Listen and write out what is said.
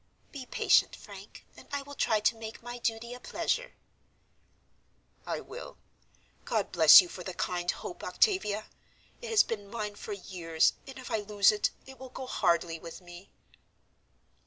Be patient, Frank, and I will try to make my duty a pleasure." "I will. God bless you for the kind hope, Octavia. It has been mine for years, and if I lose it, it will go hardly with me."